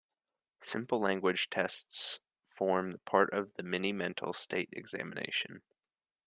Simple language tests form part of the mini-mental state examination.